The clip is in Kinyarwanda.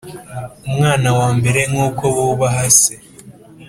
Umwana l nk uko bubaha Se